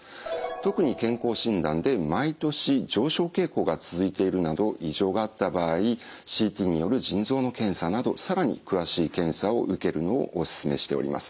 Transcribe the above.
特に健康診断で毎年上昇傾向が続いているなど異常があった場合ＣＴによる腎臓の検査など更に詳しい検査を受けるのをお勧めしております。